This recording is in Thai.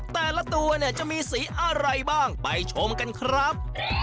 แต่ละตัวเนี่ยจะมีสีอะไรบ้างไปชมกันครับ